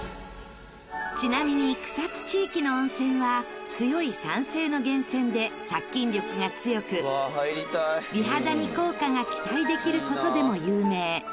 ちなみに草津地域の温泉は強い酸性の源泉で殺菌力が強く美肌に効果が期待できる事でも有名。